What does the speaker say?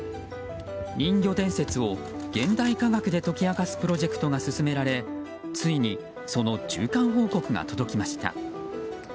人魚伝説を現代科学で解き明かすプロジェクトが進められついにその中間報告が届きました。